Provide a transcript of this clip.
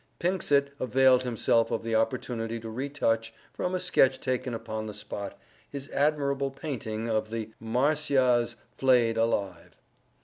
Pinxit availed himself of the opportunity to retouch, from a sketch taken upon the spot, his admirable painting of the "Marsyas flayed alive."